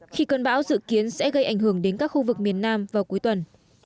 khi cơn bão dự kiến sẽ gây ảnh hưởng đến các khu vực miền nam vào cuối tuần